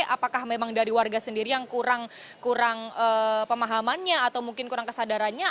apakah memang dari warga sendiri yang kurang pemahamannya atau mungkin kurang kesadarannya